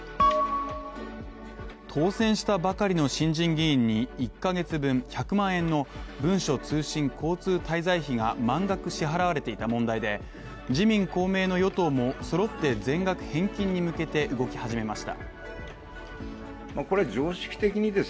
当選したばかりの新人議員に１ヶ月分、１００万円の文書通信交通滞在費が満額支払われていた問題で、自民公明の与党も揃って全額返金に向けて動き始めました。